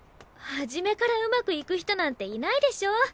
初めからうまくいく人なんていないでしょ。